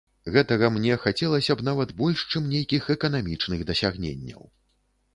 Гэтага мне хацелася б нават больш, чым нейкіх эканамічных дасягненняў.